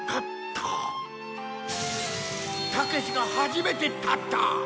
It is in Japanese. たけしが初めて立った！